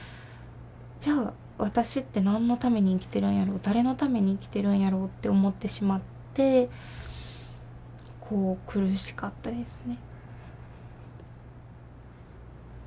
じゃあ私って何のために生きてるんやろう誰のために生きてるんやろうって思ってしまって苦しかったですね。